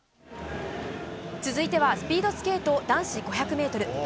続いては、スピードスケート男子５００メートル。